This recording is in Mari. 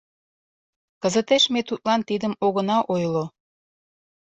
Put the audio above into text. Кызытеш ме тудлан тидым огына ойло.